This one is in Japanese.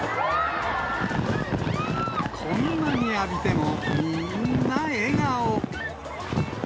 こんなに浴びても、みんな笑顔。